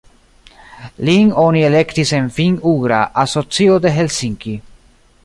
Lin oni elektis en Finn-ugra Asocio de Helsinki.